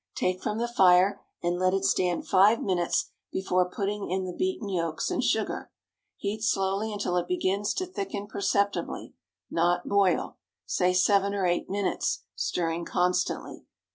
Take from the fire, and let it stand five minutes before putting in the beaten yolks and sugar. Heat slowly until it begins to thicken perceptibly, not boil—say seven or eight minutes, stirring constantly.